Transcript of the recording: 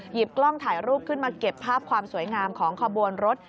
กล้องถ่ายรูปขึ้นมาเก็บภาพความสวยงามของขบวนรถ